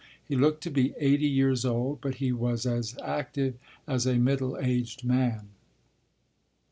He looked to be eighty years old, but he was as active as a middle aged man.